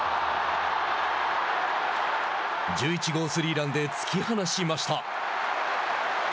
１１号スリーランで突き放しました。